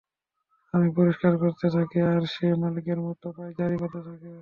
আমি পরিষ্কার করতে থাকি, আর সে মালিকের মতো পায়চারি করতে থাকে।